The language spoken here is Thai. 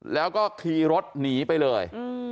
แล้วก็ขี่รถหนีไปเลย